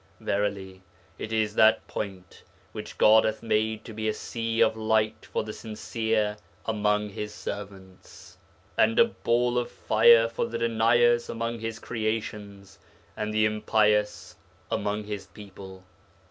Verily it is that Point which God hath made to be a Sea of Light for the sincere among His servants, and a ball of fire for the deniers among His creations and the impious among His people.